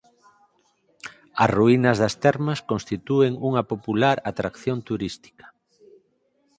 As ruínas das termas constitúen unha popular atracción turística.